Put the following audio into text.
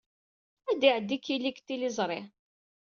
Ad d-iɛeddi Kelly deg tliẓri.